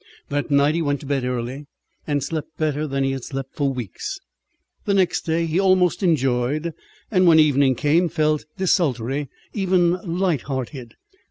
That night he went to bed early and slept better than he had slept for weeks. The next day he almost enjoyed, and when evening came, felt desultory, even light hearted.